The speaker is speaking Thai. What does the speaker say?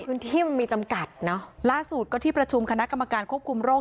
พื้นที่มันมีจำกัดเนอะล่าสุดก็ที่ประชุมคณะกรรมการควบคุมโรค